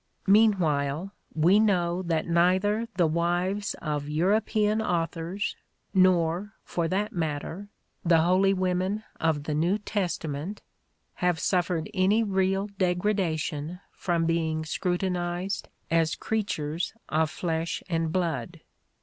Meanwhile, we know that neither the wives of European authors nor, for that matter, the holy women of the New Testament have suffered any real degradation from being scru tinized as creatures of flesh and blood.